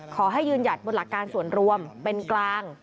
ขอให้ยืนหยัดบนหลักการส่วนรวมเป็นกลาง